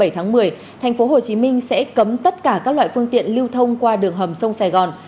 bảy tháng một mươi tp hcm sẽ cấm tất cả các loại phương tiện lưu thông qua đường hầm sông sài gòn